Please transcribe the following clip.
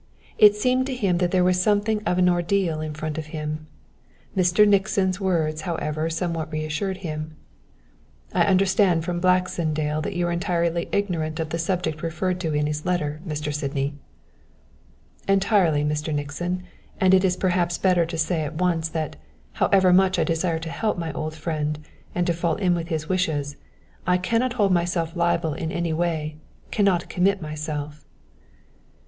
It seemed to him that there was something of an ordeal in front of him. Mr. Nixon's first words, however, somewhat reassured him. "I understand from Mr. Baxendale that you are entirely ignorant of the subject referred to in his letter, Mr. Sydney." "Entirely, Mr. Nixon, and it is perhaps better to say at once that, however much I desire to help my old friend and to fall in with his wishes, I cannot hold myself liable in any way cannot commit myself."